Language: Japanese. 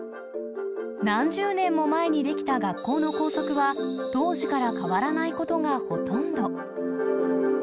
何十年も前に出来た学校の校則は、当時から変わらないことがほとんど。